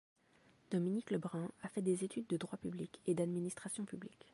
Dominique Lebrun a fait des études de droit public et d’administration publique.